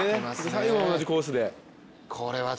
最後は同じコースで。